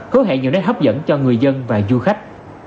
hứa hẹn nhiều nét hấp dẫn cho người dân và du khách